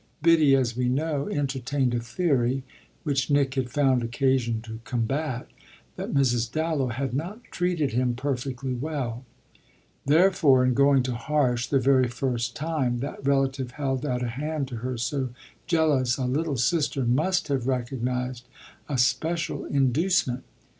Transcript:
Biddy, as we know, entertained a theory, which Nick had found occasion to combat, that Mrs. Dallow had not treated him perfectly well; therefore in going to Harsh the very first time that relative held out a hand to her so jealous a little sister must have recognised a special inducement.